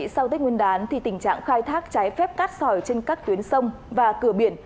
sau tết nguyên đán tình trạng khai thác trái phép cát sỏi trên các tuyến sông và cửa biển